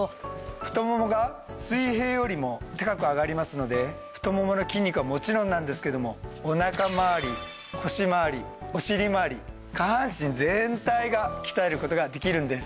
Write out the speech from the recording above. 太ももが水平よりも高く上がりますので太ももの筋肉はもちろんなんですけどもおなかまわり腰まわりお尻まわり下半身全体を鍛える事ができるんです。